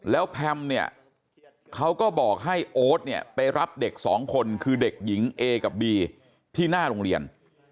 แล้วแพมเนี่ยเขาก็บอกให้โอ๊ตเนี่ยไปรับเด็กสองคนคือเด็กหญิงเอกับบีที่หน้าโรงเรียน